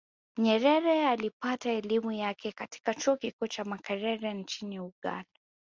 Nyerere alipata elimu yake katika chuo kikuu cha Makerere nchini Uganda